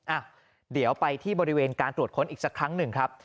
อ่ะเดี๋ยวไปที่บริเวณการตรวจค้นอีกสักครั้งหนึ่งครับ